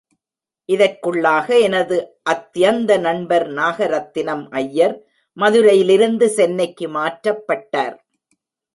இதற்குள்ளாக எனது அத்யந்த நண்பர் நாகரத்தினம் ஐயர் மதுரையிலிருந்து சென்னைக்கு மாற்றப்பட்டார்.